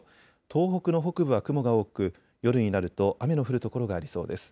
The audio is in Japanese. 東北の北部は雲が多く夜になると雨の降る所がありそうです。